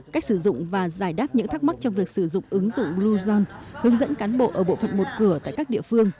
cách sử dụng và giải đáp những thắc mắc trong việc sử dụng ứng dụng bluezone hướng dẫn cán bộ ở bộ phận một cửa tại các địa phương